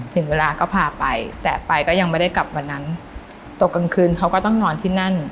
ถึงเวลาก็พาไปแต่ไปก็ยังไม่ได้กลับวันนั้นตกกลางคืนเขาก็ต้องนอนที่นั่น